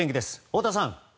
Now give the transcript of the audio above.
太田さん！